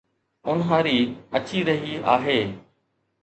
اونهاري اچي رهي آهي